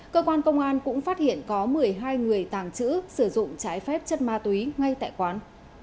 cơ quan công an cũng phát hiện có một mươi hai người tàng trữ sử dụng trái phép chất ma túy ngay tại quán